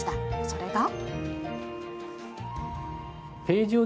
それが。